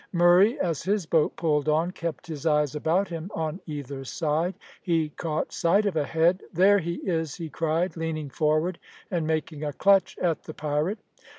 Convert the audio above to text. Murray, as his boat pulled on, kept his eyes about him on either side. He caught sight of a head. "There he is," he cried, leaning forward and making a clutch at the pirate.